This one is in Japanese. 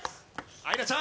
愛空ちゃん！